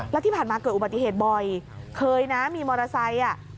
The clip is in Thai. แล้วที่ผ่านมาเกิดอุบัติเหตุบ่อยเคยนะมีมอเตอร์ไซค์อ่ะ